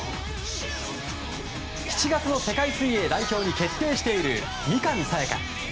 ７月の世界水泳代表に内定している、三上紗也可。